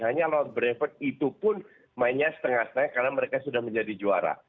hanya lod brevet itu pun mainnya setengah setengah karena mereka sudah menjadi juara